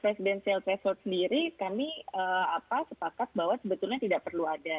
presidensial threshold sendiri kami sepakat bahwa sebetulnya tidak perlu ada